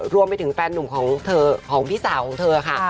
รวมไปถึงแฟนหนุ่มของเธอของพี่สาวของเธอค่ะ